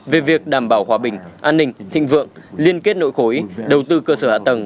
về việc đảm bảo hòa bình an ninh thịnh vượng liên kết nội khối đầu tư cơ sở hạ tầng